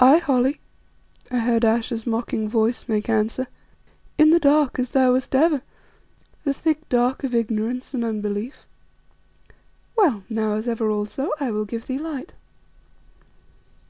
"Aye Holly," I heard Ayesha's mocking voice make answer, "in the dark, as thou wast ever, the thick dark of ignorance and unbelief. Well, now, as ever also, I will give thee light."